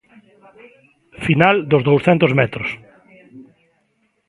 Final dos douscentos metros.